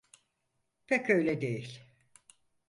Pek öyle değil.